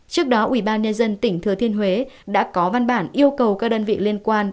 trước đó ubnd tỉnh thừa thiên huế đã có văn bản yêu cầu các đơn vị liên quan